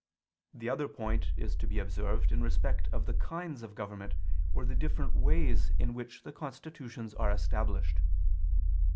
The other point is to be observed in respect of the kinds of government, or the different ways in which the constitutions are established.